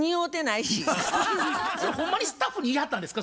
それほんまにスタッフに言いはったんですか？